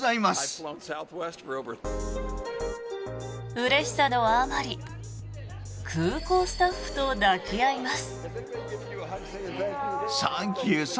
うれしさのあまり空港スタッフと抱き合います。